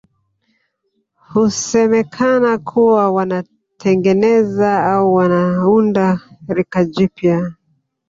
Husemekana kuwa wanatengeneza au wanaunda rika jipya